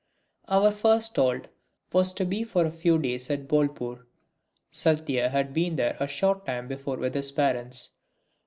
Our first halt was to be for a few days at Bolpur. Satya had been there a short time before with his parents.